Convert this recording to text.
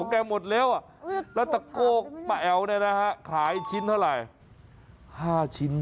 กันหมดแล้วแล้วจะโก้แป๋ลได้นะคะขายชิ้นเท่าไหร่๕ชิ้น๒๐อัน